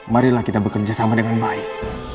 marilah kita bekerja sama dengan baik